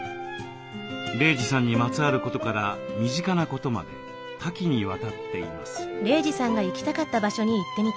玲児さんにまつわることから身近なことまで多岐にわたっています。